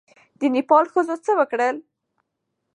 د نېپال ښځو څه وکړل؟